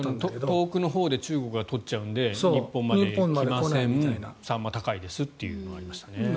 遠くのほうで中国が取っちゃうので日本まで来ませんサンマが高いですというのがありましたね。